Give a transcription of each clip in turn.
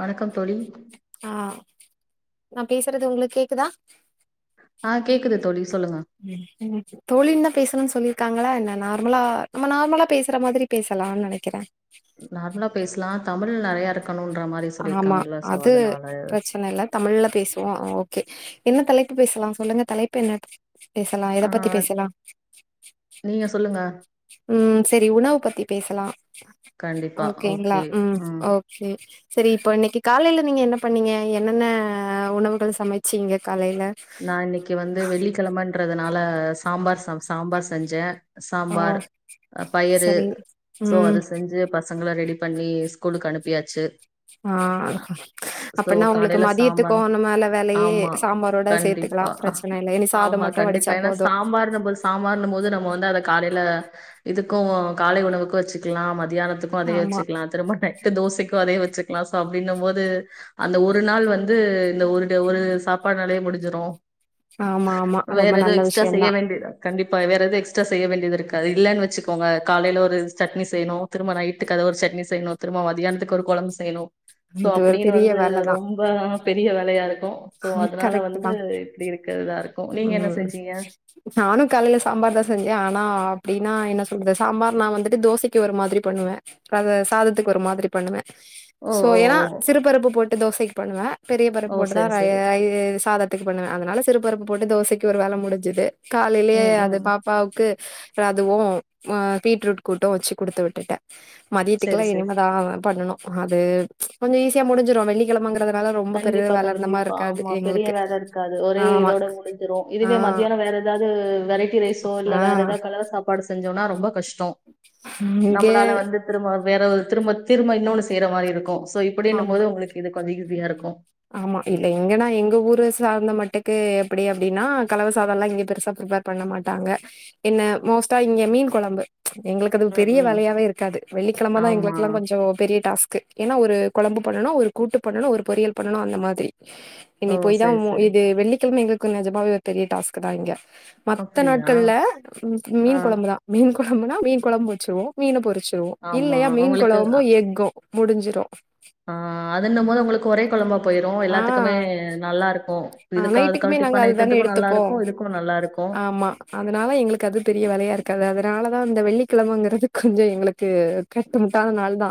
வணக்கம் தோழி ஆ நா பேசுறது உங்களுக்கு கேக்குதா ஆ கேக்குது தோழி சொல்லுங்க தோழினா பேசணுன் சொல்லிருக்காங்களா என்ன நார்முலா நம்ம நார்மலா பேசுற மாதிரி பேசலான் நெனைக்கிற நார்மலா பேஸ்லா தமிழ் நறையா இருக் ஆமா அது பிரச்சன இல்ல தமிழ்ல பேசுவோ அ ஓ கே என்ன தலைப்பு பேசுலா சொல்லுங்க தலைப்பென்ன பேசலா எத ஆ பத்தி பேசலா நீங்க சொல்லுங்க உம் செரி உணவு பத்தி பேசலா கண்டிப்பா ஓகேங்ளா ஓகே உம் ம் ஓகே செரி இப்ப இன்னைக்கு காலேல நீங்க என்ன பண்ணீங்க என்னென்ன உணவுகள் சமச்சீங்க காலேல நா இன்னைக்கு வந்து வெள்ளிக்கிழம றதுனால சாம்பார் சம் சாம்பார் செஞ்சே ஆ சாம்பார் அ பயிறு சரி சோ ம் அது செஞ்சு பஸ் பசங்கள ரெடி பண்ணி ஸ்கூலுக்கு அனுப்பியாச்சு ஆ சோ அப்புன்னா உங்ளுக்கு காலையில மதியத்துக்கு சாம்பார் ஒன்னு மேல வேலையே ஆமா சாம்பாரோட் கண்டிப்பா ஆமா கண்டிப்பா வடிச்சா ஏனா போது சாம்பார்ணு போது சாம்பார்னுமோது நம்மோ வந்து அத காலே இதுக்கும் காலை உணவுக்கூ வச்சுக்கலாம் மதி மத்தியானத்துக்கும் அதே ஆமா வச்சுக்கலாம் திரும்ப நெட்டு தோசைக்கு அதே வச்சுக்கலா சோ அப்டின்னும் போது அந்த ஒரு நாள் வந்து இந்த ஒரு ஒரு சாப்பாடு நெறய செஞ்சுரோ ஆமா ஆமா ரொம்ப நல்ல செய்ய விஷயோதான் வேண்டியது கண்டிப்பா. வேற எது எக்ஸ்ட்ரா செய்ய வேண்டியது இருக்காது இல்லன்னு வச்சுக்கோங்க காலைல ஒரு சட்னி சா செய்ணு திரும்ப நைட்டுக்குக்காக ஒரு சட்னி செய்யணு திரும்ப மத்தியானத்துக்கு ஒரு கொழம்பு செய்யணு சோ இது ஒரு அப்டின்னு பெரிய வந்து ரொம்ப ஆ பெரிய வேலையா இருக் ஆ கரெக்ட்டு தான் இருக்கறதா இருக்கும். நீங்க என்ன உம் செஞ்சீங்க? நானும் காலைல சாம்பார் தான் செஞ்சே ஆனா ஆனா அப்டின்னா என்ன சொல்றது சாம்பார் நான் வந்துட்டு தோசைக்கு ஒரு மாதிரி பண்ணுவேன் அத சாதத்துக்கு ஒரு மாதிரி பண்ணுவேன் ஓ சோ ஓ ஏனா ஓ சிறுபருப்பு போட்ட தோசை பண்ணுவே பெரிய பருப் ஓ போ தா சரி சரி ரைஸ் சாதத்துக்கு பண்ணுவே அதனால சி பருப்பு போட்டு தோசைக்கு ஒரு வேல முடிஞ்சுது காலைலியே ம் ம் அது ம். பாப்பாவுக்கு றது அதுவோ ஆ பீட்ரூட் கூட்டோ வச்சு குடுத்து விட்டுட்டே சரி மதியத்துக்கலா சரி இனிமேதா பண்ணணு அது ச்ச கொஞ்சோ ஈஸியா முடிஞ்சிரோ வெள்ளிக்கிழமங்கறது வேல ரொம்ப பெரிய கண்டிப்பா வேல இருந்த மாரி கண்டிப்பா இருக்காது ஆமா பெரிய எங்களுக்கு வேல இருக்காது ஒரே ஆமா இதோட முடிஞ்சிரோ ஆ இதுவே மத்தியானம் வேற ஏதாது வெ ரைசோ இல்ல ஆ வேற எதா கலர் சாப்பாடு செஞ்சோனா ஆ ரொம்ப கஷ் டோ இங்க நம்மளால வந்து திரும்ப வேற ஒரு திரும்ப திரும்ப இன்னொன்னு செய்ற மாரி இருக்கோ தோ இப்பிடினும் ஆமா போது உங்குளுக்கு இது [unintelligible] ஆமா [unintelligible] எங்கன்னா எங்க ஊர சார்ந்த மட்டக்கு எப்படி அப்டினா கலவு சாதலா இங்க பெருசா ப்ரிப்பேர் பண்ண மாட்டாங்க என்ன மோஸ்டா இங்க மீன் கொழம்பு ச்ச எங்களுக்கு அதுவு ம் பெரிய ம் வேலையாவே இருக்காது வெள்ளிக்கெழமதா ஆமா எங்களுக்கெல்லா கொஞ்சோ பெரிய டாஸ்க் க ஏன்னா ஒரு கொழம்பு பண்ணணோ ஒரு கூட்டு பண்ணணோ ஒரு பொறியல் பண்ணணோ அந்த மாதிரி ஓ இன்னிக் போய் தா சரி மு சரி இது வெள்ளிக்கிழமை எங்களுக்கு நிஜமாவே பெரிய டாஸ்க்தா இங்க மத்த அப்படியா நாட்கள்ல ஆ மீன் கொழம்புதா மீன் கொழம்புனா மீன் கொழம்பு வச்சிருவோ மீன பொறிச்சு ஆமா இல்லையா மீன் உங்களுக்கு கொழம்போ எக்கோ முடிஞ்சிரோ ஆ அதுன்னும் போது உங்களுக்கு ஒரே கொழம்பா போயிரோ ஆ எல்லாத்துக்குமே நல்லா இரு ஆ நைட்டுக்குமே நாங்க அதுதானே எடுத்துப்போ இருக்கு இதுக்கு நல்லா இருக்கு ஆமா அதனால எங்களுக்கு அது பெரிய வேலையா இருக்காது அது அதனாலதா இந்த வெள்ளிக்கிழமங்கறது கொஞ்சோ எங்களுக்கு கட்டுமுட்டானா நாள்தா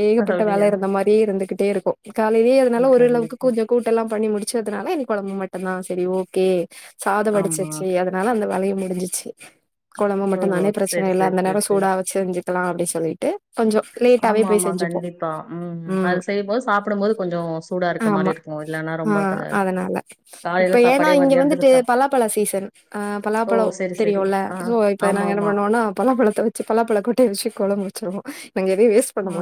ஏகப்பட்ட வேல அப்டியா இருந்த மாரியே இருந்துகிட்டே இருக்கோ காலைலியே அதனால ம் ஓரளவுக்கு கண்டிப்பா கொஞ்ச கூட்டெல்லா பண்ணி முடிச்சதுனால எ கொழம்பு மட்டந்தா செரி ஓகே சாதோ ஆமா வடிச்சாசு அதனால அந்த வேலையு முடிஞ்சிச்சு கொழம்ப ஓ மட்டுந்தானே பிரச்சன செரி இல்ல செரி அந்த செரி நேரோ செரி சூடாவே செஞ்சுக்கலா அப்டி சொல்லி ட ஆமா ஆமா கண்டிப்பா உம் ம் அது செய்யும்போது சாப்புடும் போது கொஞ்சோ சூடா இருக்க ஆமா மாரி இருக்கோ இல்லன்னா ஆ ரொம்ப [inaudible] அதனால காலையில இப்ப ஏனா சாப்பாடே இங்க மதியானத்துக்கு வந்துட்டு சாப் பலாப்பழ சீசன் ஆ ஓ பலாப்பழம் செரி செரி தெரியுல ஆ சோ இப்ப ஆமா நாங்க ஏன்ன ஆமா பண்ணுவோனா பலாப்பழத்த வெச்சு பலாப்பழ கொட்டைய வச்சு கொழம்பு செம ஆ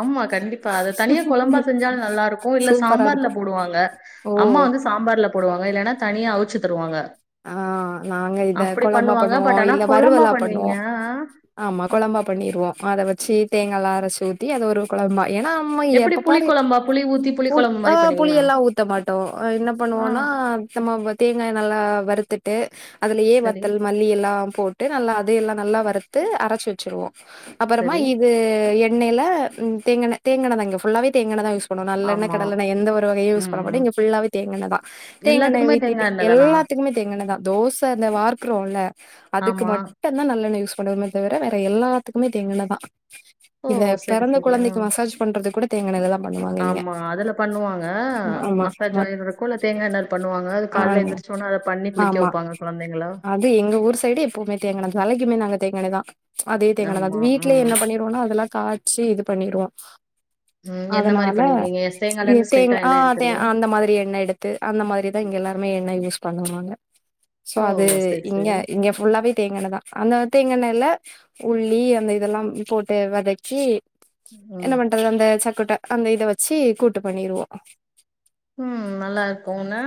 ஆமா கண்டிப்பா அத தனியா கொழம்பா செஞ்சாலு நல்லா இருக்கோ இல்ல சூப்பரா இருக்கு சாம்பார்ல போடுவாங்க ஓ அம்மா வந்து சாம்பார்ல போடுவாங்க இல்லனா தனி மைய அவிச்சு தருவாங்க ஆ நாங்க இத அப்படி கொழம்பா பண்ணுவாங்க பண்ணுவோ பட் ஆனா இல்ல கொழம்பா வறுவலா பண்ணுவோ பண்ணுவீங்க ஆ ஆமா ஆ கொழம்பா பண்ணிருவோ அத வெச் [unintelligible] சி தேங்காலா அரைச்சு ஊத்தி அது ஒரு கொழம்பா ஏன்னா அம்மா எப்படி எப்ப புளி பாரு கொழம்பா புளி ஊத்தி புளி பூள் கொழம்பு ஆ மாரி புளி பண்ணுவீங்களா எல்லா ஊத்த மாட்டோ ஆ என்ன ஆ பண்ணுவோனா நம்ம வெ தேங்கா எண்ணெல்ல வறுத்துட்டு அதுலயே சரி வத்தல் மல்லி எல்லாம் போட்டு நல்லா அது எல்லா நல்லா வறுத்து அரைச்சு வச்சுருவோ அப்பறமா சரி இது எ எண்ணெய்ல உம் தேங்கா எண்ணெய் தேங்கா எண்ணெய்தா இங்க ஃபுல்லாவே தேங்கா எண்ணெய்தா யூஸ் கொன்னு நல்லெண்ணெ ஆமா கடலெண்ணெ எந்த ஒரு வகையு யூஸ் ம் பண்ணமாட்டோ ம் இங்க ஃபுல்லாவே தேங்கா எண்ணெதா தேங்கா எண்ணெய எல்லாத்துக்குமே தேங்கா வித்திட்டு எண்ணெ தானா எல்லா ண்ணெதா தோசை இந்த வார்க்கறோல அதுக்கு ஆமா மட்டோதா நல்லெண்ணெ யூஸ் போடுமே தவிர வேற எல்லாத்துக்குமே தேங்எண்ணெதா ஓ இத சரி பிறந்த சரி ஆ கொழந்தைக்கு மசாஜ் பண்றது கூட தேங்எண்ணெலதா ஆமா அதுல பண்ணுவாங்க ஆமா மத் மசாஜ் ஆயிள் இருக்கோ இல்ல தேங்கா எண்ணெல பண்ணுவாங்க அது கால்ல ஆங் எந்திரிச்சோன அத பண்ணி குளிக்க ஆமா வைப்பாங்க கொழந்தைங்கள அது எங்க ஊர் சைட்டு எப்போமே தேங்கா எண்ணெ தலைக்குமே ஏ நாங்க தேங்கா எண்ணெதா ச்ச அதே தேங்கா எண்ணெதா ஆமா அது வீட்லே ம் என்ன பண்ணிருவோனா அதெல்லா காய்ச்சு இது பண்ணிருவோ ம் ஆ என்ன மாரி அதனால பண்ணிருவீங்க ச்ச தேங்கால இ இருந்து ஸ்ட்ரைட்டா தேங்கா ஆ எண்ணெ தே எடுத்துருவீங்க ஆ அந்த மாதிரி எண்ணெய் எடுத்து அந்த மாதிரிதா இங்க எல்லாருமே எண்ணெய் யூஸ் பண்ணுவாங்க சோ அது ஓ சரி இங்க சரி இங்க ஃபுல்லாவே தேங்கண்ணைதா அந்த தேங்கண்னைல உள்ளி அந்த இதெல்லா போட்டு வதக்கி என்ன ம் பண்றது அந்த ச கூட்ட அந்த இத வச்சு கூட்டு பண்ணிருவோ உஹ்ம் நல்லாருக்கு உன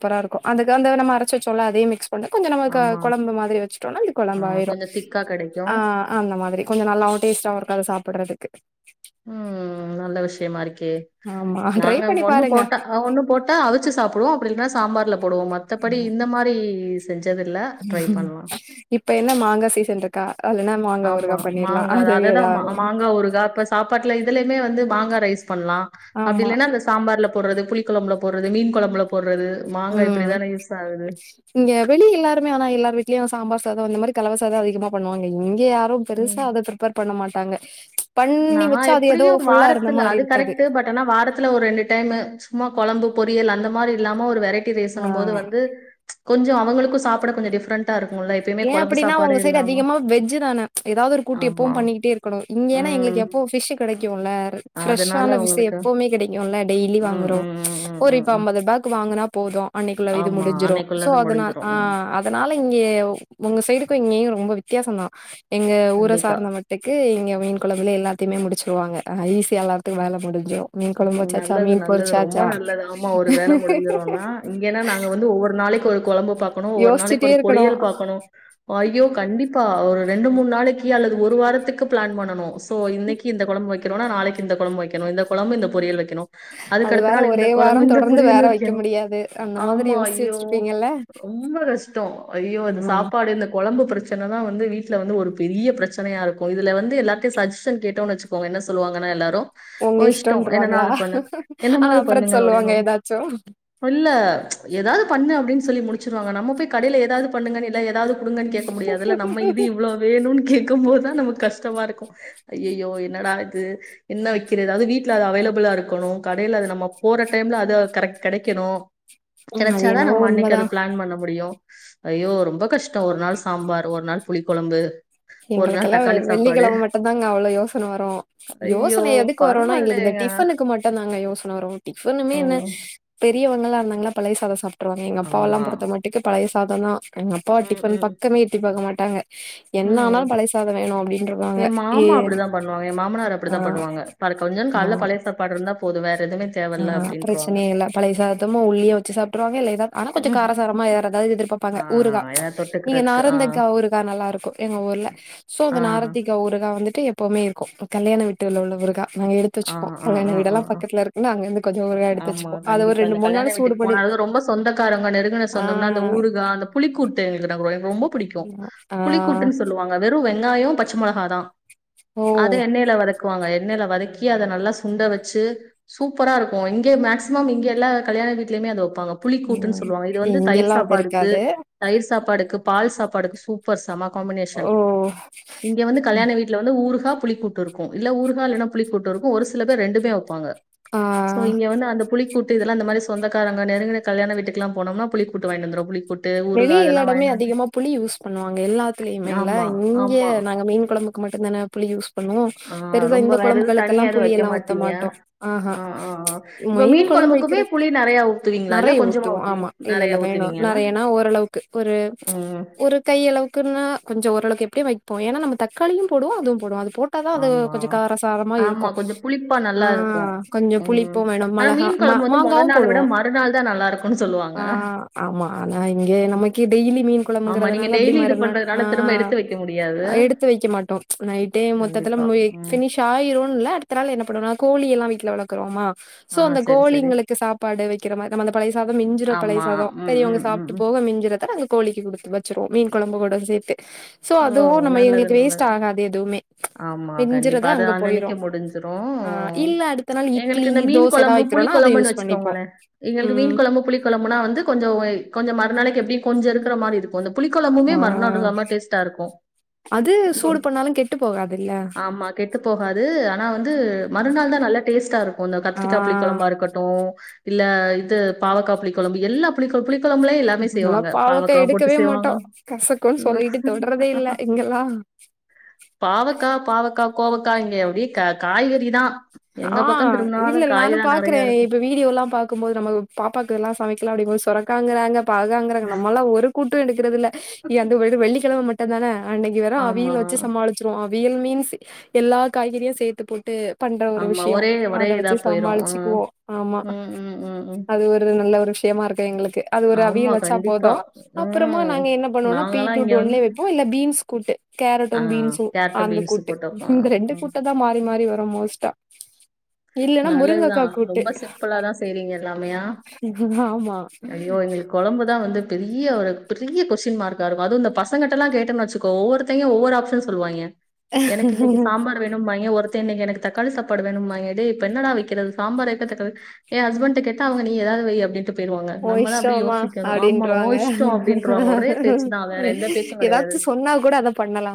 ப்பரா இருக்கு அதுக்கு வந்து நம அரைச்ச வச்சோல்ல அதே மிக்ஸ் கொண்ட கொஞ்ச நமக்கு ஆமா கொழம்பு மாதிரி வச்சிட்சோ னா அது ஆ கொழம்பாயிரு கொஞ்சோ திக்கா கெடைக்கு ஆஹ் அந்த மாதிரி கொஞ்ச நல்லாவு டேஸ்டாவு அத சாப்புட்றதுக்கு உம் நல்ல விஷயமா இருக் கே ஆமா ட்ரை நாங்க பண்ணி ஒண்ணு பாருங்க போட்டா ஒண்ணு போட்டா அவிச்சு சாப்புடுவோ அப்டி இல்லைன்னா சாம்பார்ல போடுவோ மத் மத்தபடி ஆமா இந்த மாரி ரி சஞ் ஞசதுல்ல ட்ரை பண்லா இப்ப என்ன மாங்கா சீசன் இருக்கா அதுலனா மாங்கா ஆமா ஊறுகா பண்ணிர்லா மாங்கா தா அது அததா ம ஏதாவது ஒன்னு மாங்கா ஊறுகா இப்ப சாப்பாட்டுல இதுலயுமே வந்து மாங்கா ரைஸ் பண்ணலா அப்டி ஆமா இல்லன்னா அந்த சாம்பார்ல போடுறது புளி கொழம்புல போர்றது மீன் கொழம்புல போர்ற உம் இங்க வெளி எல்லாருமே ஆனா எல்லார் வீட்லயு சாம்பார் சாத அந்த மாதிரி கலவ சாதம் அதிகமா பண்ணுவாங்க இங் இங்க யாரு ம் பெருசா அத பிரிப்பர் பண்ண மாட் தாங்க நான் யெப்டியு வாரத்துல அது இருக்காது கரெக்ட் பட் ஆனா வாரத்துல ஒரு ரெண்டு டைம் சும்மா கொழம்பு பொரியல் அந்த மாரியில்லாம ஒரு வெரைட் த்தி பேசணு ஆ போது வந்து கொஞ்ச அவங்களுக்கு சாப்ட கொஞ்ச டிஃபரண்டாருக் ஏன் அப்டின்னா உங்க சைடு அதிகமா வெஜ்ஜி தான எதாவது ஒரு கூட்டு எப்பவு ஆமா. பண்ணிக்கிட்டேருக்கணு இங் ஏனா ம். எங்களுக்கு எப்பவும் பிஷ் கெடைக்கும்ல அதனால ப்ரெஷான பிஷ் உங்களுக்கு எப்பவுமே கெடைக்கும்ல டெய்லி ம், வாங்குறோ ம், ம், ம், ஒரு ம், இப்ப ம். அம்பது ரூபாக்கு வாங்கினா போது அன்னிக்குள்ள இது ஆமா. முடிஞ்சிரு சோ அன்னைக்குள்ளது அதனால் முடிஞ்சிரும். ம். ஆஹ் அதனாலயிங்க உங்க சைடுக்கு இங்கேயு ரொம்ப வித்தியாசந்தா எங்க ஊரை கண்டிப்பா. சார்ந்த வட்டுக்கு இங்க மீன் குழம்புல எல்லாத்தையுமே முடிச்சு சொல்வாங்க ஆஹ் ஈசியா எல்லாத்துக்கு வேல முடிஞ்சுரு நல்லது நல்லது ரொம்ப நல்லது ஆமா ஒரு வேல முடிஞ்சிரும்னா இங்கன்னா நாங்க வந்து ஒவ்வொரு நாளைக்கு ஒரு கொழம்பு பாக்கணு ஒரு நாளைக்கு யோசிச்சுட்டே ஒரு இருக்கணு பொரியல் பாக்கணு ஐயோ கண்டிப்பா ஒரு ரெண்டு மூணு நாளைக்கு அல்லது ஒரு வாரத்துக்கு பிளான் பண்ணணு சோ இன்னைக்கு இந்த கொழம்பு வைக் க்றோனா நாளைக்கு இந்த கொழம்பு வைக்கணு இந்த கொழம்பு இந்த பொறியல் வக் வைக்கணு அது அதுக்கடுத்த வேற நாள் யிந்த ஒரே வாரம் கொழம்பு தொடர்ந்து வேற பொரியல் வைக்க வைக்கணு முடியாது அந்த மாதிரி ஆமா யோசிச்சு ஐயோ வச்சிருப்பீங்கல்ல ரொம்ப கஷ்டம் ஐயோ அது ம் சாப்பாடு இந்த கொழம்பு பிரச்ச தா வந்து வீட்டுல வந்து ஒரு பெரிய பிரச்சனையாருக்கு எதுல வந்து எல்லாத்தயு சஜஷன் கேட்டோனு வச்சுக்கோங்க என்ன சொல்லுவாங்கனா எல்லாரு உங்க வோ இஷ்ட இஷ்டம்ன்றுவாங்களா என்னனாலு பண்ணு என்ன ஆனா அப்புற மாதுபண்ணுங்க சொல்லுவாங்க அப்டினு ஏதாச்சு இல்ல எதாவது பண்ணு அப்டின்னு சொல்லி முடிச்சிருவாங்க நம்ம போய்கடயில எதாவதுண்ணுங்க இல்ல எதாவது குடுங்கனு கேக்க முடியாதுல நம்ம இது இவ்ளோ வேணுனு கே இர்க்கும் போதுதா நமக்கு கஷ்டமாருக்கு ஐயயோ என்னடா இது என்ன வைக்கிறது அதாவது வீட்ல அது அவைலபிளாருக்கணு கடயில அது நம்ம போற டைம்ல அது கரெக்ட் கெடைக்கணு ம் அது கெடைச்சாதா என்னவோ நம்ம அன்னைக்கு உண்மதா அது பிளான் பண்ண முடியு ஐயோ ரொம்ப கஷ் ட ஒரு நாள் சாம்பார் ஒரு நாள் புளி கொழம்பு எங்களுக்கெலா வெ வெள்ளிக்கெழம மட்டுந்தாங்க அவ்ளவு யோசன வரு ஐயோ யோசன எது க்கு வருனா எங்களுக்குயிந்த பரவாயில்லைங்க டிபனுக்கு மட்டுந்தாங்க யோசன வரும் டிபனுமே என்ன ம் பெ பெரியவங்களா இருந்தங்ளா பழய சாதம் சாப் ட்ருவாங்க எங்க அப்பாவல்லா ஆமா பொருத்த மட்டுக்கு பழய சாத தா அ அப்பா டிஃபன் பக்கமே எட்டி பாக்க மாட் டாங்க உம் ஏ மாமா அப்டிதா பண்ணுவாங்க ஏ மாமனார் ஆ அப்படித்தா பண்ணுவாங்க பழ கொஞ்ச காலைல பழைய சாப்பாடு இருந்தா போது வேற எதுவுமே தேவல்ல ஆஹ் அப்படின்ருவாங்க பிரச்சனையே இல்ல பழயசாதத்தம்ம உள்ளியே வச்சு சாப்ட்டுருவாங்க [unintelligible] ஆனா கொஞ்ச ம் காரசாரமா வேற ஏதாவது எதிர்பார்ப்பாங்க ஆ ஊருகா ஏதாவது நீங்க தொட்டுக்கிறதுக்கு ஆ நாரத்திங்கா ஊருகா நல்லா இருக்கு எங்க ஊர்ல சோ ஆ அந்த நார்ந்திக்கா ஊருகாயா வந்து எப்பவுமே இருக்கு கல்யாண வீட்டில் உள்ள ஊறுகா நாங்க எடுத்து ஆ வச்சுப்போ ஆ கல்யாண ஆ ஆ வீடெல்லா ஆ பக்கத்துல இருக் ஆமா கண்டிப்பா இந்த கல்யாண சூடு வீட்டுக்கு பண்ணி போனால ரொம்ப சொந்தக்காரங்க நெருங்குன ஆ சொந்தம்னா அந்த ஊருகா அந்த புளிக்கூட் எனக்கு ரொம்ப புடிக்கு ஆ புளி கூட்டுன்னு சொல்லுவாங்க வெறு வெங்க வெங்காய பச்ச மொளகாதா ஓ அதத எண்ணெயில வதக்குவாங்க எண்ணெயில வதக்கி க்கி அத நல்லா சுண்டை வச்சு சூப்பரா இருக்கு ங்க மேஸ்மம் இங்க எல்ல கல்யாண வீட்லயுமே அது வைப்போ ப்பாங்க புளிக்கூட்டுன்னு ம் சொல்லுவாங்க இது வந்து தயிர் இங்கெல்லா அது சாப்பாடுக்கு இருக்காது தயிர் சாப்பாடுக்கு பால் சாப்பாடுக்கு சூப்பர் சமா காம்பினேஷன் ஓ இங்க வந்து ம். கல்யாண வீட்டல வந்து ஊருக்கா புளி கூட்டு இருக்கு இல்ல ஊறுகா இல்ல புளி கூட்டு இருக்கு. ஒரு சில பேர் ரெண்டுமே வைப்பாங்க சோ ஆ இங்க வந்து அந்த புளிகூட் ட்டு இதல்லா வண்ட்டு அந்த மாதிரி சொந்தக்காரங்க நெருங்குன கல்யாண வீட்டுகல்ல போனம்ன புளிகூட்டு வாங்கிட்டு வந்துருவோ புளி கூட் வெளி இல்லாடமே அதிகமா புளி யூஸ் பண்ணுவாங்க எல்லாத்துலயுமே இல்ல ஆமா இங்கய ஆமா நாங்க மீன் கொழம்பு க்கு மட்டுந்தான புளி யூஸ் ஆ பெருசா ரொம்ப இந்த வேற எதுவும் குழம்புகளுக்கெல்லா தனியா எதுவும் வைக்க புளியெல்லா ஊத்த மாட்டீங்க. மாட்டோ ஆஹா ஆ, ஆ, ஆ. இப்ப மீன் குழம்பு குழம்புக்குமே வைக்கிறது புளி நெறையா ஊத்துவீங்களா? இல்ல நெறைய கொஞ்சமா ஊத்துவோ ஊத்து ஆமா நெறையா இல்ல வேணு ஊத்துவீங்க இல்ல? நெறையன்னா ஒரு அளவுக்கு ஒரு ம். ஒரு கைய அளவுக்குன்னா கொஞ்ச ஓரளவு எப்படி வைப்போ ஏன்னா றம்ம தக்காளியு போடுவோ அதுவு போடு அது போட்டாதா அது ஆமா. கொஞ்ச காரசாரமா ஆமா. இருக்கு கொஞ்சம் புளிப்பா நல்லா இருக்கும். ஆஹ் கொஞ்ச ம். புளிப்பு வேணு ஆனா மிளக மீன் குழம்பு வந்து மொத மாங்காவு நாள விட போடுவோ மறுநாள் தான் நல்லா இருக்கும்னு சொல்லுவாங்க. ஆஜஹ் ஆமா ஏ எ நமக்கே டெய்லி மீன் ஆமா. நீங்க கொழம்புங்கிறதுனால அப்ப டெய்லி இது மறுநாள் பண்றதுனால திரும்ப ஆன் எடுத்து வைக்க முடியாது. எடுத்து வைக்க மாட்டோ நைட்டே மொத்தத்துல கண்டிப்பா. எ ம். ஃபினிஸ் ஆயிரு இல்ல அடுத்த நாள் என்ன பண்ணுவோனா கோழி எல்லா ட்ல வளக்கறோமா சோ ஆ அந்த சரி, சரி. கோழிங்களுக்கு சாப்பாடு வைக்கிற மாதிரி நம்ம அந்த பழயசாத மிஞ்சுற ஆமா. பழயசாத ம், பெரியவுங்க ம், ம், சாப் ம். போக மிஞ்சரத அது கோழிக்கு கொடுத்து வச்சருவோ மீன் கொழம்பு கூட சேர்த்து ஓ நல்லது நல்லது ஆகாது எதுவுமே ஆமா கண்டிப்பா மிஞ்சுறது அது அங்க அன்னனைக்க போயிரு முடிஞ்சிரு ஆ இல்ல அடுத்த நாள் இட்லி எங்களுக்கு இந்த மீன் தோச ஏதா கொழம்பு புளி வைக்கிறோனா அத கொழம்புன்னு யூஸ் பண்ணிப்போ வச்சுக்கோங்களே எங்களுக்கு ம் மீன் கொழம்பு புளி கொழம்புனா வந்து கொஞ்ச வே கொஞ்ச மறுநாளைக்கு எப்டி கொஞ்ச இருக்குற மாரி இருக்கு அந் புளிக்குழம்புமே ஆ மறுநாள் நல்ல டேஸ்ட் ஸ்டா இருக்கு அது சூடு பண்ணாலு கெட்டு போகாதுல்ல முஆமா கெட்டு போகாது ஆனா வந்து மறுநாள் தா நல்ல டேஸ்டாருக்கு இந்த கத்திரிக்கா புளி ஆ குழம்பா இருக்கட்டு இல்ல இது பாவக்கா புளி கொழம்பு எல்லா புளி கொழப்பு பு நல்லா பாவக்கா எடுக்கவே செய்வாங்க மாட்டோ கசக்கும்ன்னு உம். சொல்லிட்டு தொட்றதே இல்ல இங்கெல்லாம கோவக்காயங்க அப்டி க காய்கறி தா ஆஹ் இல்லலை நானு பாக்குறே இருக்கும் இப்ப வீடியோ எல்லா பாக்கபோது நம்ம பாப்பாக்குதுல்லா சமைக்க [unintelligible] அப்டி சொரக்காங்கறாங்க பாகங்றாங்க நம்மல்லா. ஒரு கூட் ட்டும் எடுக்கிறதல்ல இ அது வெறு வெள்ளி கழ மட் ட்டதான அன்னைக்கு வெறு ஆமா அவியல் வச்சு சமாளச்ருவோ வியல் மீன்ஸ் எல்லா காய்கறியு சேர்த்து போட்டு பண்ற ஆமா விஷய ஒரே அத ஒரே வச்சு இதா போயிரும் சமாளிச்சுக்குவோ ஆமா ம், ம், ம், ம். அது ஒரு நல்ல ஒரு விஷயமா இருக்கு எங்ளுக்கு அது ஒரு ஆமா அவியல் வச்சா கண்டிப்பா. போது அப்புறமா ம். நாங்க என்ன பண்ணுவோம்னா நாங்கலாம் இங்க பீட்ரூட் ஒன்லே வந்து வைப்போ இல்ல பீன்ஸ் கூட்டு கேரட்டு ஆ பீன்ஸு கேரட்டு, அந்த பீன்ஸ் கூட்டு போட்டு வைப்போம். இந்த ரெண்டு ம். கூட்ட தா மாறி மாறி வ அப்றம் மோஸ்டா நல்லதுதா கூட்டு ரொம்ப சிம்பிளா தா செய்றீங்க எல்லாமையா ஆமா ஐயோ எங்களுக்கு கொழம்புதா வந்து பெரிய ஒரு பெரிய கொஸ்டின் மார்க் ஆ இருக்கு அது இந்த பசங்கடெல்லா கேட்டன்னு வச்சுோ ஒவ்வொருத்தைங்க ஒவ்வொரு ஆப்ஷன் சொல்லுவாய்ங்க எனக்கு இன்னைக்கு சாம்பார் வேணுபாய்ங்க ஒருத் இன்னைக்கு எனக்கு தக்காளி சாப்பாடு வேணுபாயிங்க எடேய் அப்ற என்னடா வைக்கிறது சாம்பார்க் ஏ ஹஸ்பண்ட் கேட்ட அவங்க நீ ஏதாவது வை அப்படின்னு ஓ இஷ்டமா ஓ அப்டின்றவாங்க இஷ்டம் அப்படின்ருவாங்க. ஒரே பேச்சு தான். வேற எந்த பேச்சும் கிடையாது. எதாச்சு சொன்னா கூட அத பண்ணலா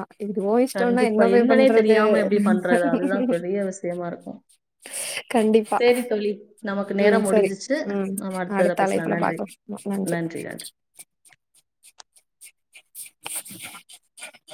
ஓ இஷ்டம்னா கண்டிப்பா என்ன போய் என்னன்னே பண்றது தெரியாம எப்டி பண்றது கண்டிப்பா செரி தோழி நமக்கு நேரம் முடிஞ்சிச்சு நம்ம அடுத்தத தலைப்புல பாக்கலா நன்றி [inaudible]